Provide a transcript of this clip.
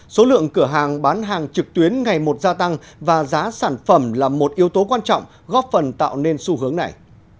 số lượng cửa hàng bán hàng trực tuyến ngày một gia tăng và giá sản phẩm là một yếu tố quan trọng góp phần tạo nên xu hướng này